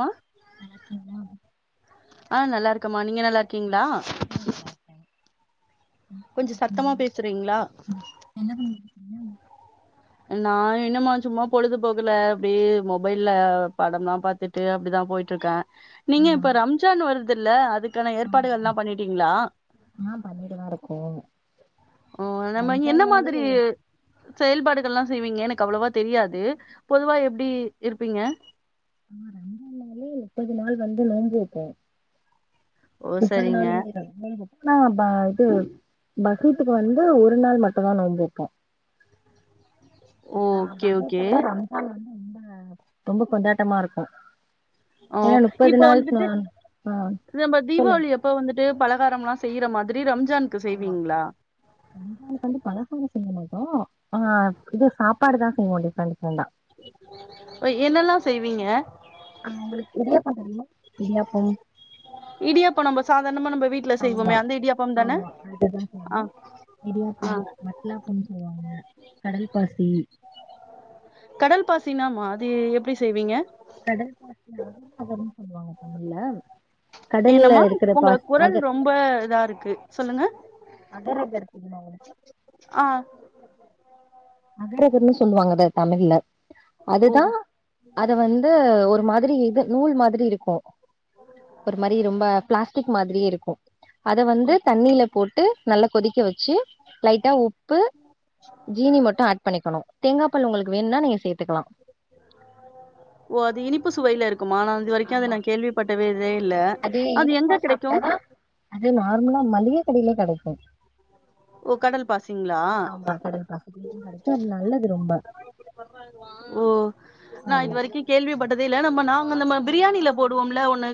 மா நாகி நாம் ஆ நல்லார்க்கம்மா நீங்க நல்லார்க்கீங்ளா உ நல்லார்ப்பே கொஞ்ச சத்தமா பேசுறீங்ளா என்ன பன் [inaudible] நியம் நா என்னும்மா சும்மா பொழுதுபோக்குல அப்டே மொபைல்ல படம்லா பாத்துட் ட்ரு அப்டிதா போய்ட்ருக்கே ஆ நீங்க இப்ப ரம்ஜான் வருதுள்ள அதுக்கான ஆமா. ஏற்பாடுகள்லா பண்ணிட்டீங்ளா ஆ பண்ணிடுதா இருக்கோ ஓ நம்ம என்ன ரம்ஜான்னாலே மாதிரி செயல்பாடுகள்லா செய்வீங்க எனக் அவ்ளவா தெரியாது பொதுவா எப்டி இருப்பீங்க ஆ ரெண்டா நாளே முப்பது நாள் வந்து நோம்பு வெப்போ ஓ முப்பது சரிங்க நாலே எ ரஸ்பன் வுப் ஆ பா இது பக்ரித்துக்கு வந்து ஒரு நாள் மட்டுதா நோம்பப்போ ஆ ஓகே பக்ரித்த ஓகே விட ரம்ஜான் வந்து ரொம்ப ரொம்ப கொண்டாட்டமா ருக்கு ஓ ஏன்னா முப்பது இப்ப நாள் வந்துட்டு க்லான் ஆ சொல்லு பு வந்துட்டு பலகாரம் லா செய்யுற மாதிரி ரம்ஜான்க்கு செய்வீங்ளா ரம்ஜான்க்கு வந்து பலகாரோ செய்யமாட்டோ ஆ இது சாப்பாடு தா செய்வோ டிஃப்ரன் டிஃப்ரன்ட்டா ப்ரெ என்னல்லா செய்வீங்க ஆ உங்களுக் இடியாப்போ தெரியமா இடியாப்போ இடியாப்போ நம்ம சாதாணுமா நம்ம வீட்ல ஆமா செய்வோமே அந்த இடியப்பம் தான ஆ இடியாப்போ ஆ வட்லாப்போன் சொல்லுவாங்க கடல் பாசி கடல் பாசினாமா அது எப்டி செய்வீங்க கடல் பாசி அகர் அகருன் சொல்லுவாங்க தமிழ்லம் என்னம்மா உங்க குரல் ரொம்ப இதா இருக்கு சொல்லுங்க அகர் அகர் தெரியுமா உங்களுக்கு ஆ அகரகர்ன்னு சொல்லுவாங்க அத தமிழ்ல அதுதா ஓஹோ அத வந்து ஒரு மாதிரி இது நூல் மாதிரி இருக்கு ஒரு மாரி ரொம்ப ப்ளாஸ் டிக் மாதிரியே இருக்கு அத வந்து தண்ணில போட்டு நல்லா கொதிக்க வச்சு லைட்டா உப்பு ஜீனி மட் கேக்கணு தேங்கா பால் உங்கள்க்கு வேண்னா நீங்க சேத்துக்கலா ஓ அது இனிப்பு சுவைய்ல இருக்குமா நா இது வரைக்கு அத ஆமா நா கேள்வி பட்டதெ தெ இல அது இனிப்பா எங்க கிடைக்கு சாப்ட்டாதா அது நார்மலா மல்லிக கடைய்ல கிடைக்கு ஓ கடல் பாசிங்ளா ஆமா கடல் பாசி [unintelligible] அது நல்லது ரொம்ப ஓ நா ஆமா இதுவரிக்கி கேள்விப்பட்டதேல்ல நம்ம நாங்க நம்ம பிரியாணில போடுவோம்ல ஒன்னு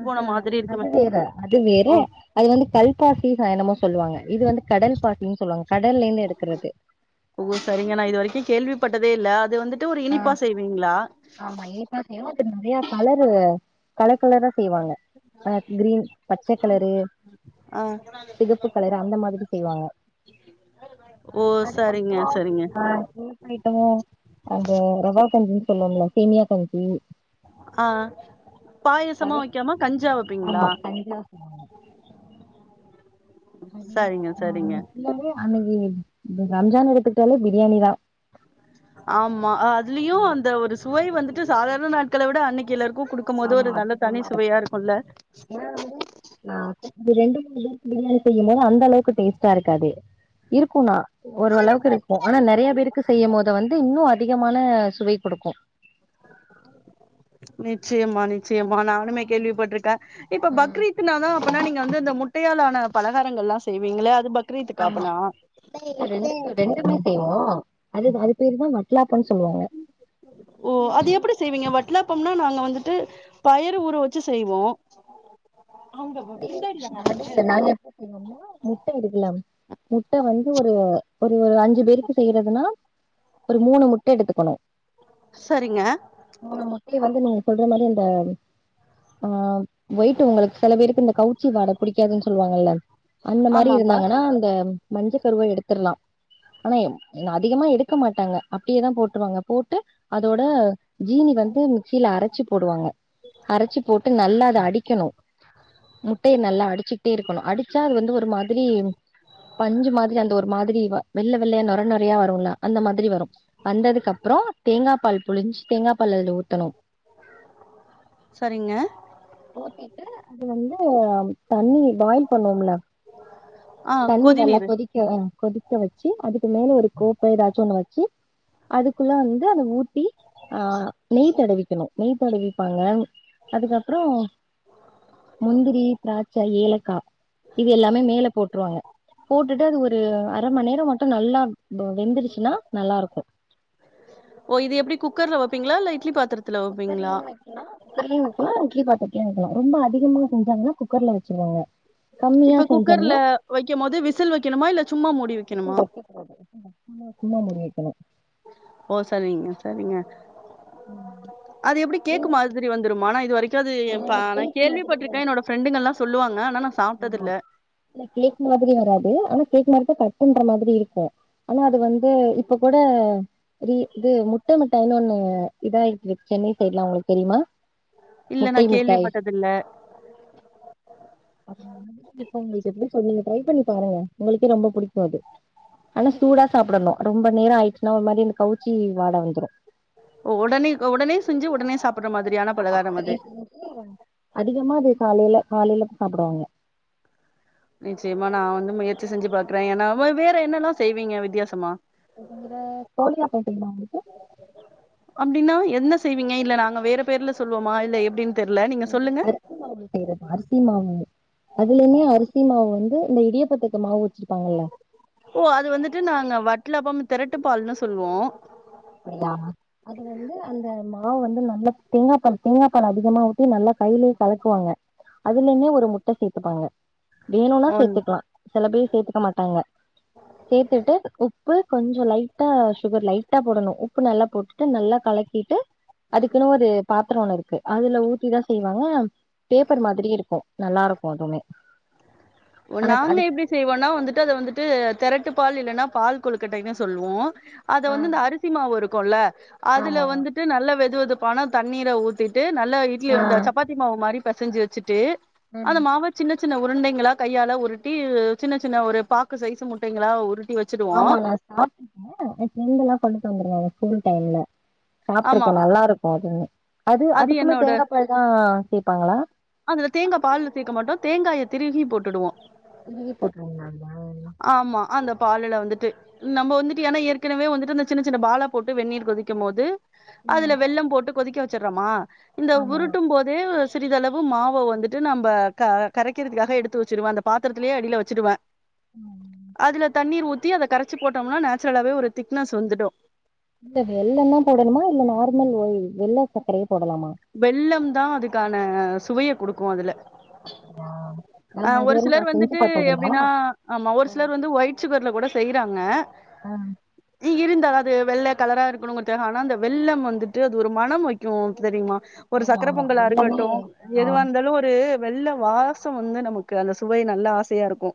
ஆ ஹ அது வேற அது வேற ஓ அது வந்து கல் பாசிதா என்னமோ சொல்லுவாங்க இது வந்து கடல் பாசின் சொல்லுவாங்க கடல்ல இருந்து எடுக்குறது ஓ சரிங்க நா இது வரைக்கு கேள்விப்பட்டதே இல்ல அது வந்துட்டு ஒரு இனிப்பா செய்வீங்ளா ஆமா இனிப்பா செய்வோ அது நெறய கலரு கலர் கலரா செய்வாங்க ஆ கிரீன் பச்ச கலரு ஆ சிகப்பு கலர் அந்த மாதிரி செய்வாங்க ஓ சரிங்க சரிங்க சேப் அயிட்ட அந்த ரவா கஞ்சின் சொல்லுவோல்ல சேமியா கஞ்சி ஆ பாயசமா வக்காம கஞ்சியா வப்பீங்ளா ஆமா கஞ்சா சொல்லுவாங்க சரிங்க சரிங்க அன்னைக்கு ரம்ஜான் எடுத்துகிட்டாலே பிரியாணி தா ஆமா அதுலயு அந்த ஒரு சுவை வந்துட்டு சாதாரண நாட்கள விட அன்னைக்கு எல்லாருக்கு குடுக் குபோது ஆமா ஒரு நல்ல தனி அதிகமா சுவையா இருக்குல்ல ஆ இந்த ரெண்டு மூணு பேருக்கு பிரியாணி செய்யு போது அந்த அளவுக்கு டேஸ்ட்டா இருக்காது இருக்குணா ஓரளவுக்கு இருக்கு ஆனா நெறய பேருக்கு செய்யுபோது வந்து இன்னு அதிகமான சுவை குடுக்கு நிச்சயமா நிச்சயமா நானுமே கேள்விப்பட்ருக்க இப்ப ம் பக்ரீத்னாதா அப்பனா நீங்க வந்து இந்த முட்டையால் ஆன பலகாரங்கள் எல்லா செய்வீங்களே அது பக் ரீத்துக்கா ஆமா அப்பனா ரெண்டு ரெண்டுமே செய்வோ அது அது பேரு தா வட்லாப்பம்ன் சொல்லுவாங்க ஓ அது எப்டி செய்வீங்க வட்லாப்பம்னா நாங்க வந்துட்டு பயறு ஊற வச்சு செய்வோ அ நாங்க எப்டி செய்வோனா முட்ட இருக்குல முட்ட வந்து ஒரு ஒரு அஞ்சு பேருக்கு செய்றதுனா ஒரு மூணு முட்ட எடுத்துக்கணு சரிங்க மூணு முட்டய வந்து நீங்க சொல்ற மாரி அந்த ஆ ஒயிட்டு உங்களுக்கு சில பேருக்கு இந்த கவுச்சி வாட புடிக்காதுன் சொல்லுவாங்கல்ல அந்த மாரி ஆமாப்பா இருந்தாங்கனா அந்த மஞ்ச கருவா எடுத்தர்லா ஆனா அதிகமா எடுக்க மாட்டாங்க அப்டியேதா போட்ருவாங்க போட்டு அதோட ஜீனி வந்து மிக்சில அரச்சி போடுவாங்க அரச்சி போட்டு நல்லா அத அடிக்கணு முட்டய நல்லா அடிச்சிட்டே இருக்கணு அடிச்சா அது வந்து ஒரு மாதிரி பஞ்சு மாதிரி அந்த ஒரு மாதிரி வெள்ள வெள்ளையா நுரை நுரையா வருல்ல அந்த மாதிரி வரு வந்ததுக்கு அப்ற தேங்கா பால் புழிஞ்சி தேங்கா பால் அதுல ஊத்தணு சரிங்க ஊத்திட்டு அது வந்து தண்ணி பாயில் பண்ணுவோம்ல ஆ தண்ணி கொதி நல்லா நீீரு கொதிக்க கொதிக்க வச்சு அதுக்கு மேல ஒரு கோப்ப எதாச்சு ஒண்ணு வச்சு அதுக்குள்ள வந்து அத ஊத் பி ஆ நெய் தடவிக்கணு நெய் தடவிப்பாங்க அதுக்கப்பற முந்திரி திராட்ச ஏலக்கா இது எல்லாமே மேல போட்ருவாங்க போட்டுட்டு அது ஒரு அர மணி நேர மட்டு நல்லா வெந்துடுச்சின்னா நல்லாருக்கு ஓ இது எப்டி குக்கர்ல வப்பீங்ளா இல்ல இட்லி பாத்துர குக்கர்லயே வக் கலா குக்கர்லயு வக்கலா இட்லி பாத்திரத்லயு வக்கலா ரொம்ப அதிகமா செஞ்சாங்கனா குக்கர்ல வச்சுருவாங்க இப்ப குக்கர்ல வைக்கும் போது விசல் வைக்கணுமா இல்ல சும்மா மூடி விசில் வைக்கணுமா வைக்க கூடாது சும்மா சும்மா முடி வைக்கணு ஓ சரிங்க சரிங்க அது எப்டி கேக்கு மாதிரி வந்துருமா நா இது வரைக் கு அது ஏ ஆ பா நா கேக் மாதிரி கேள்விப்பட்ருக்கே என்னோட ஃப்ரெண்டுங்க எல்லா சொல்லுவாங்க ஆனா நா ஆமா இல்ல கேக் மாதிரி வராது ஆனா கேக் மாரிதா கட் பண்ற மாதிரி இருக்கு ஆனா அது வந்து இப்ப கூட ரி இது முட்ட மிட்டாய்ன்னு ஒண்ணு இதாயிட்டு இருக்கு சென்னை சைடு்லா உங்களுக்கு தெரியுமா முட்டை மிட்டாய் இதுல்ல அது மாதிரி டிஷ்ஷ உங்களுக்கு எப்டி சொல்றது ட்ரை பண்ணி பாருங்க உங்களுக்கே ரொம்ப பிடிக்கு அது ஆனா சூடா சாப்டணு ரொம்ப நேரோ ஆயிச்சினா ஒரு மாரி இந்த கவுச்சி வாட வந்துரு ஒடனே ஒடனே செஞ்சி ஒடனே சாப் ஆமா ஒடனே செஞ்சி அதிகமா அது காலேல காலேலதா சாப்டுவாங்க நிச்சயமா நா வந்து முயற்சி செஞ்சி பாக்குறே ஏன்னா வா வேற என்னெல்லா செய்வீங்க வித்யாசமா அத தவிர கோழியாட்டம் செய்வாங்க அப்டினா என்ன செய்வீங்க இல்ல நாங்க வேற பேர்ல சொல்வோமா இல்ல எப்டின் தெர்ல நீங்க சொல்லுங்க அரிசி மாவுல செய்றது அரிசி மாவு அதுலயுமே அரிசி மாவு வந்து இந்த இடியாப்பத்துக்கு மாவு வச்சிருப்பாங்கல்ல ஓ அது வந்துட்டு நாங்க வட்லப்பம் திரட்டு பால்ன்னு சொல்லுவோ அப்டியா அது அது வந்து அந்த மாவு வந்து நல்லா தேங்கா பால் தேங்கா பால் அதிகமா விட்டு நல்லா கையிலயே கலக்குவாங்க அதுலயுமே ஒரு முட்ட சேத்துப்பாங்க வேணுன்னா ஒன் சேத்துக்லா சில பேர் சேத்துக்க மாட்டாங்க சேத்துட்டு உப்பு கொஞ்சோ லைட்டா சுகர் லைட் டா போடணு உப்பு நல்லா போட்டுட்டு நல்லா கலக்கிட்டு அதுக்குன்னு ஒரு பாத்ரோ ஒண்ணு இருக்கு அதுல ஊத்திதா செய்வாங்க பேப்பர் மாதிரி இருக்கு நல்லா இருக்கு அதுவுமே ஓ நாங்க எப்டி செய்வோன்னா வந்துட்டு அத வந்துட்டு திரட்டு பால் இல்லன்னா பால் கொழுக்கட்டைன்னு சொல்லுவோ அத ஆ வந்து இந்த அரிசி மாவு இருக்குல்ல அதுல ஆமா வந்துட் டு நல்ல வெதுவெதுப்பான தண்ணீர ஊத்திட்டு நல்ல இட்லி ஆ அந்த சப்பாத் தி மாவு மாரி பெசஞ்சி வச்சிட்டு அந்த ம் மாவ சின்ன சின்ன உருண்டைங்களா கையால உருட்டி சின்ன சின்ன ஒரு பாக்கு சைசு முட்டைங்களா உருட்டி வச் ஆமாங்க சாப்ட்ருக்கே ஏ ஃப்ரெண்ட் எல்லா கொண்டுட்டு வந்துருந்தாங்க ஸ்கூல் டைம்ல ஆமா சாப்ருக்கே நல்லா இருக்கு அது அது அதுக்குமே தேங்கா பால் தா சேப்பாங்களா அதுல தேங்கா பால்ல சேக்க மாட்டோ தேங்காய திருகி போட்டுடுவோ திருகி போட்டுருவிங்களாங்க ஆமா அந்த பாலுல வந்துட்டு நம்ப வந்துட்டு ஏன்னா ஏற்கனவே வந்துட்டு அந்த சின்ன சின்ன பாலா போட்டு வெந்நீர் கொதிக்கும் போது அதுல ம் வெள்ளம் போட்டு கொதிக்க வெச்சிர்றமா இந்த ஆமா உருட்டும் போட் டு சிறிதளவு மாவ வந்துட்டு நம்ப க கரைக்கிறதுக்காக எடுத்து வச்சிருவே அந்த பாத்தரத்துலயே அடில வச்சிடுவே ம் அதுல தண்ணீர் ஊத்தி அத கரைச்சி போட்டோம்னா நேச்சுரலாவே ஒரு திக்னஸ் வந்துடு இல்ல வெல்லந்தா போடணுமா இல்ல நார்மல் ஒய் வெள்ள சக்கரையே போடலாமா வெல்லம் தா அதுக்கான சுவைய குடுக்கு அதுல அப்டியா ஆ ஒரு இதுவரையு நா சிலர் செஞ்சு வந்துட்டு பாத்ததில்ல எப்டின்னா ஆமா ஒரு ஆ சிலர் வந்து ஒயிட் சுகர்ல கூட செய்றாங்க ஜீ இருந்தாதா அது வெள்ள கலரா இருக்கணுங்கறதுக்காகா ஆனா அந்த வெள்ளம் வந்துட்டு அது ஒரு மனம் வைக்கு தெரியுமா ஒரு ஆமா சக்கர ஆமா பொங்கலா வெல்லமே இருக்கட்டு ஆ எதுவா இந்தாலு ஒரு வெள்ள வாசோ வந்து நமக்கு அந்த சுவை நல்லா ஆசையா இருக்கு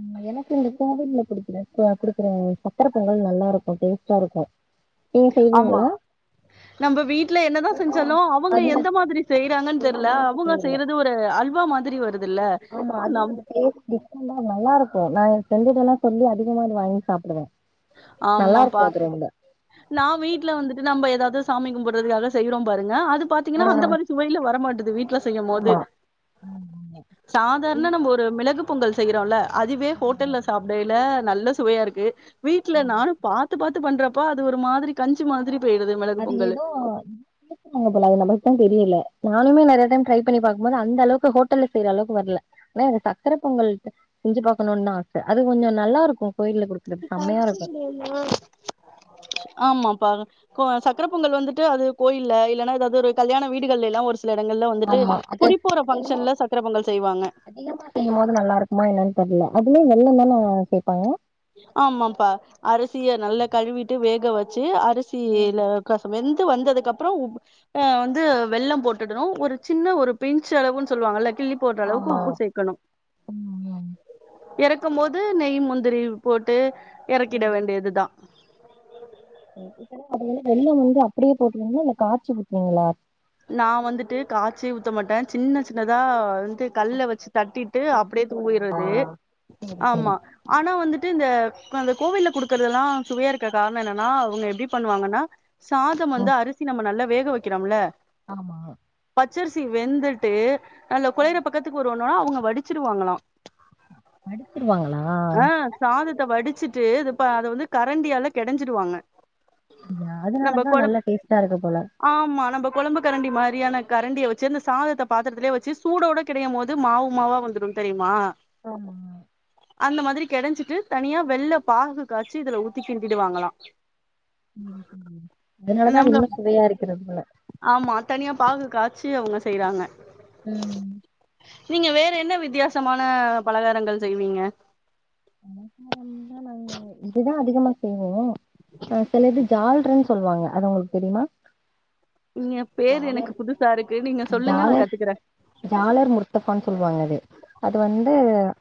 ம் எனக்கு இந்த கோவில்ல குடிக்குற ஆ குடுக்குற சக்கர பொங்கல் நல்லாருக்கு டேஸ்ட்டாருக்கு செய்வீங்களா நம்ப வீட்ல என்னதா ஆ செஞ்சாலு அவுங்க அது நா எந்த மாதிரி செய்றாங்கன் தெர்ல செய்றதுலா அவுங்க தெரியல செய்றது ஒர் ச அல்வா மாதிரி வருதுல்ல ஆமா அது நம் ஒரு டேஸ்ட் டிஃப்ரென்டா நல்லாருக்கு நா எ ஃப்ரென்டுட்டல சொல்லி அதிகமா வாங்கி சாப்பிடுவே ஆமாப்பா நா வீட்ல வந்துட்டு நம்ப ஏதாது சாமி கும்புட்டுறதுக்காக செய்றோம் பாருங்க அது பாத் ஆ த்தீங்கன்னா அந்த மாரி சுவைல வர மாட்டுது வீட்ல செய்யம்மோது ஆமா சாதார்ண இது நம்ப ஒரு மிளகுப் பொங்கல் செய்யிறோல்ல அதுவே ஆமா ஹோட்டல்ல சாப்பிடையில நல்ல சுவையாருக்கு வீட்ல ஆமா நானு பாத் த்து பார்த்து பண்றப்போ அது ஒரு மாதிரி கஞ்சி மாதிரி பெய்டுது மிளகு பொங்கலு அதுனால் நம்மக்கும் தெரியல நானுமே நெறைய டைம் ட்ரை பண்ணி பாக்குமோது அந்தளவுக்கு ஹோட்டல்ல செய்ற அளவுக்கு வர்ல ன ந்த சக்கர பொங்கல் செஞ்சு பா்க்கணூன் தா ஆச அது கொஞ்சோ நல்லாருக்கு கோயில்ல குடுக் ஆமாப்பா கோ சக்கர பொங்கல் வந்துட்டு அது கோயில்ல இல்லன்னா எதாவ்து ஒரு கல்யாண வீடுகள்ல எல்லா ஒரு ஸ் சில எடங்கள்ல வந்துட்டு ஆமா அது குடிப்போற அது என்னமோ ஃபங்க்ஷன்ல சக்கர பொங்கல் செய்வாங்க அதிகமா செய்யும்மோது நல்லாருக்குமா என்னன்னு தெரியல அதுலயு வெல்லம் தனா சேப்பாங்க ஆமாப்பா அரிசிய நல்ல கழுவிட்டு வேக வச்சு அரிசியில கொசம் வெந்து வந்ததுக்கு அப்புறோ உப் அ வந்து வெல்லம் போட்டுடணு ஒரு சின்ன ஒரு பிஞ்ச் அளவுன்னு சொல்லுவாங்கல்ல கிள்ளிப் போட்ற அளவுக்கு ஆமா உப்பு சேக்கணு ம் ம். எறக்கம்போது நெய் முந்திரி போட்டு எறக்கிட வேண்டியது தா ம் இப்பல அதுல இருந்து வெல்லம் வந்து அப்புடியே போட்றுவீங்களா இல்ல காச்சி ஊத்துவீங்ளா நா வந்துட்டு காச்சி ஊத்த மாட்ட சின்ன சின்னதா ந்து கல்ல வச்சு தட்டிட்டு தட்டி அப்டே போடுவீங்களா தூவிறது சேரி சேரி ஆம்மா ஆனா வந்துட்டு இந்த அந்த கோவில்ல குடுக்கறதெல்லா சுவையா இருக்க காரண என்னன்னா அவுங்க எப்பிடி பண்ணுவாங்கன்னா சாதொம் வந்து ம் அரிசி நம்ம நல்லா வேக வக்கிறம்ல ஆமா பச்சரிசி வெந்துட்டு நல்ல குழையுற பக்கத்துக்கு வருவோன்னா அவுங்க வடிச்சுருவாங்களா வடிச்சிருவாங்களா சாதத்த வடிச்சிட்டு இப்ப அத வந்து கரண்டியால கெடஞ்சிடுவாங்க இது அதுனாலதா நல்ல டேஸ்ட்டாருக்கு போல ஆம்மா நம்ப கொழம்புக் கரண்டி மாரியான கரண்டிய வெச்சு அந்த சாதத்த பாத்துரத்திலே வெச்சு சூடோட கெடயும்மோது மாவு மாவா வந்துரு தெரியுமா ஆமாங்க அந்த மாதிரி கெடஞ்சிட்டு தனியா வெல்லப் பாகு காச்சி இதுல ஊத்திக் கிண்டிடுவாங்களா [inaudible] அதனாலதா அது இன்னு சுவையா இருக்குது போல ஆம்மா தனியா பாகு காச்சி அவுங்க செய்றாங்க ம் நீங்க வேற என்ன வித்தியாசமான பலகாரங்கள் செய்வீங்க பலகாரம் தா நாங்க இதுதா அதிகமா செய்வோ அ சிலது ஜால்ரன் சொல்லுவாங்க அது உங்களுக்கு தெரியுமா நீங்க பேரு ஜாலர் எனக்கு புதுசா இருக்கு நீங்க சொல்லுங்க நா ஜாலர் கத்துக்குறே ஜாலர் முர்த்தஃபான் சொல்லுவாங்க அது அது வந்து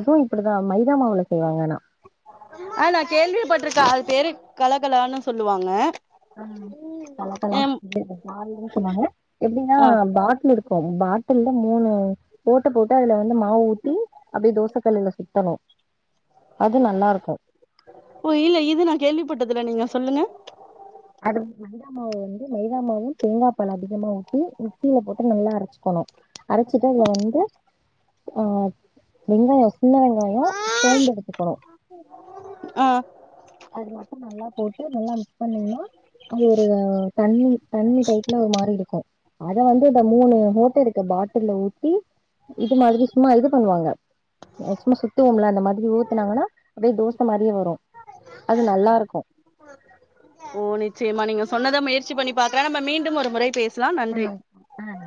அதுவு இப்பிடித்தா மைதா மாவுல செய்வாங்க ஆனா ஆ நா கேள்விப்பட்ருக்கே அது பேரு கலகலான்னு சொல்லுவாங்க ஆ கலகலா எம் [unintelligible] ஜாலருனு சொல்வாங்க எப்பிடின்னா ஆ பாட்டில் இரு க்கும் பாட்டில்ல மூனு ஓட்ட போட்டு அதுல வந்து மாவு ஊத்தி அப்டியே தோசக்கல்லுல சுத்தணு அது நல்லா இருக்கும் ஓ இல்ல இது நா கேள்விப்பட்டது இல்ல நீங்க சொல்லுங்க அது மைதா மாவு வந்து மைதா மாவும் தேங்கா பால் அதிகமா ஊத்தி மிக்ஸியில போட்டு நல்லா அரச்சுக்கணு அரச்சிட்டு அதுல வந்து ஆ வெங்காய சின்ன வெங்காயோம் சோம்பு எடுத்துக்கணு ஆ அது மட்டும் நல்லா போட்டு நல்லா மிக்ஸ் பண்ணிங்கன்னா அது ஒரு தண்ணி தண்ணி டைப்ல ஒரு மாரி இருக்கும் அத வந்து இந்த மூனு ஓட்ட இருக்க பாட்டில்ல ஊத்தி இது மாதிரி சும்மா இது பண்ணுவாங்க சும்மா சுத்துவோம்ல அந்த மாதிரி ஊத்துனாங்கன்னா அப்டியே தோச மாரியே வரும் அது நல்லா இருக்கும் ஓ நிச்சயமா நீங்க சொன்னத முயற்சி பண்ணி பாக்குறே நம்ம மீண்டும் ஒரு முறை பேச ம் அ